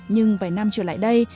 nhưng vài năm trở lại đây